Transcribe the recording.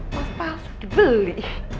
emas palsu dibeli